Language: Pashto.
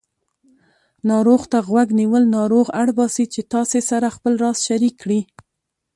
ناروغ ته غوږ نیول ناروغ اړباسي چې تاسې سره خپل راز شریک کړي